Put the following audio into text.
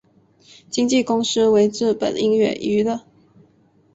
经纪公司为日本音乐娱乐。